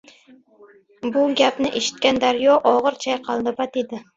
Bu gapni eshitgan daryo ogʻir chayqaldi va dedi: